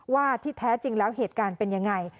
ว่าที่แท้จริงแล้วเหตุการณ์เป็นยังไง